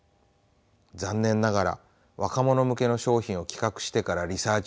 残念ながら若者向けの商品を企画してからリサーチを始める。